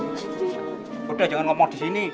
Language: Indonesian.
oh udah jangan komot di sini